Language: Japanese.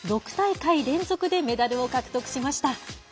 ６大会連続でメダルを獲得しました。